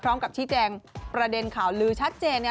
พร้อมกับชี้แจงประเด็นข่าวลือชัดเจน